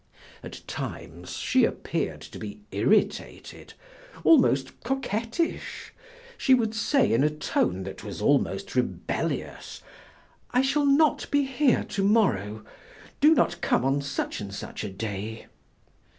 At times she appeared to be irritated, almost coquettish; she would say in a tone that was almost rebellious: "I shall not be here to morrow, do not come on such and such a day."